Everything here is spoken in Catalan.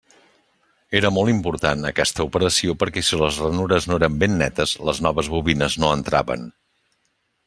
Era molt important aquesta operació perquè si les ranures no eren ben netes, les noves bobines no entraven.